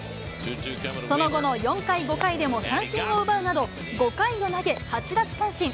その後の４回、５回でも三振を奪うなど、５回を投げ８奪三振。